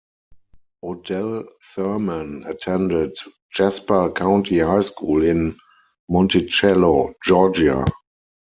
Odell Thurman attended Jasper County High School in Monticello, Georgia.